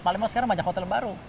palembang sekarang banyak hotel baru